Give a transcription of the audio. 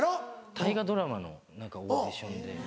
大河ドラマのオーディションで。